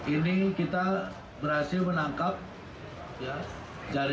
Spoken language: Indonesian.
ini kita berhasil menangkap jaringan